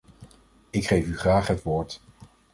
Ik geef u graag het woord.